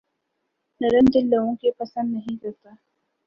نرم دل لوگوں کے پسند نہیں کرتا